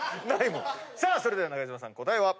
さあそれでは中島さん答えは？